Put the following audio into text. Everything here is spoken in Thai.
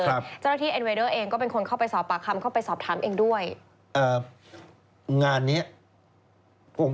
มีทั้งเป็นภาพที่ติดตามเข้าไปถึงการสอบปากคำ